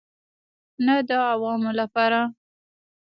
نه د عوامو لپاره.